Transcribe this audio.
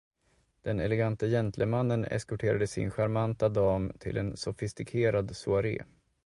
Den elegante gentlemannen eskorterade sin charmanta dam till en sofistikerad soaré.